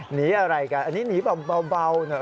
หนีอะไรกันอันนี้หนีแบบเบาหน่อย